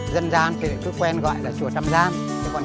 dân gian thì lại cứ quen gọi là chùa trăm gian